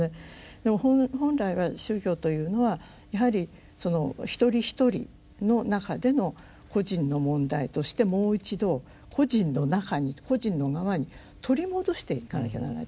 でも本来は宗教というのはやはり一人一人の中での個人の問題としてもう一度個人の中に個人の側に取り戻していかなきゃならないと思うんです。